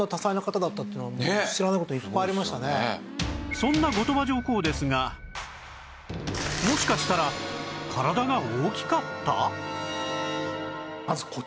そんな後鳥羽上皇ですがもしかしたら体が大きかった！？